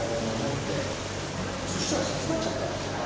そしたら授かっちゃったんですよね。